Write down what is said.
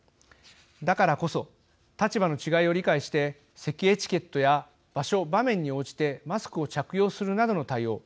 だからこそ立場の違いを理解してせきエチケットや場所、場面に応じてマスクを着用するなどの対応